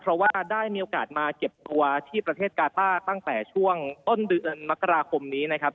เพราะว่าได้มีโอกาสมาเก็บตัวที่ประเทศกาต้าตั้งแต่ช่วงต้นเดือนมกราคมนี้นะครับ